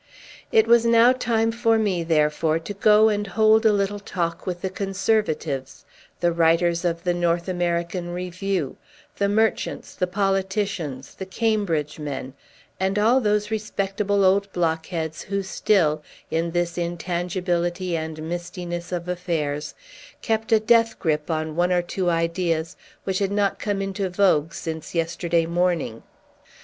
It was now time for me, therefore, to go and hold a little talk with the conservatives, the writers of "The North American Review," the merchants, the politicians, the Cambridge men, and all those respectable old blockheads who still, in this intangibility and mistiness of affairs, kept a death grip on one or two ideas which had not come into vogue since yesterday morning.